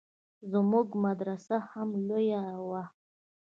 زموږ مدرسه هم لويه وه.